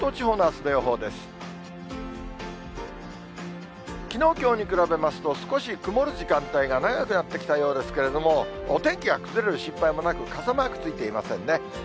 きのうきょうに比べますと、少し曇る時間帯が長くなってきたようですけれども、お天気は崩れる心配もなく、傘マークついていませんね。